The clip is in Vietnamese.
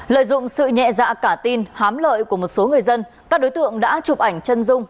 lợi dụng sự nhẹ dạ cả tin hám lợi của một số người dân các đối tượng đã chụp ảnh chân dung